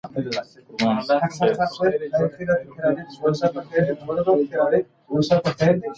آیا په حضوري ټولګیو کي زده کړه له مجازي درسونو چټکه ده؟